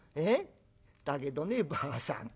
だけどねばあさん